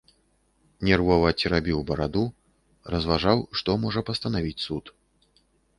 Нервова церабіў бараду, разважаў, што можа пастанавіць суд.